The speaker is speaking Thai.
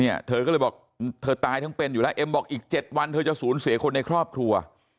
เธอก็เลยบอกเธอตายทั้งเป็นอยู่แล้วเอ็มบอกอีก๗วันเธอจะสูญเสียคนในครอบครัว